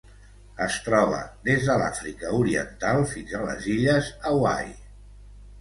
Es troba des de l'Àfrica Oriental fins a les illes Hawaii.